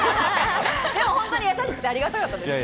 でも本当に優しくて、ありがたかったです。